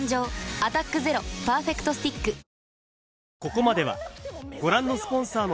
「アタックＺＥＲＯパーフェクトスティック」あっ！